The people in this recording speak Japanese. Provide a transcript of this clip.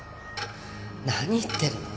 何言っているの？